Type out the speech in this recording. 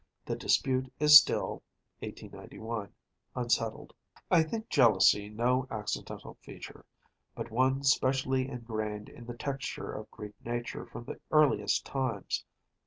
The dispute is still (1891) unsettled. I think jealousy no accidental feature, but one specially engrained in the texture of Greek nature from the earliest times.